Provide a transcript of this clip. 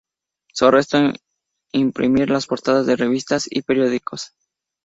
Su arresto imprimir las portadas de revistas y periódicos.